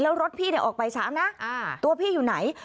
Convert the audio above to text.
แล้วรถพี่เนี่ยออกบ่ายสามนะอ่าตัวพี่อยู่ไหน